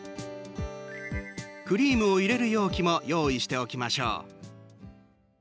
クリームを入れる容器も用意しておきましょう。